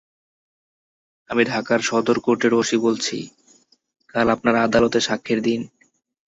আমি ঢাকার সদর কোর্টের ওসি বলছি, কাল আপনার আদালতে সাক্ষ্যের দিন।